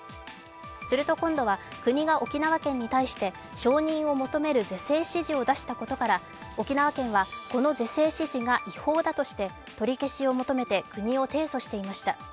すると今度は、国が沖縄県に対して承認を求める是正指示を出したことから沖縄県はこの是正指示が違法だとして取り消しを求めて国を提訴していました。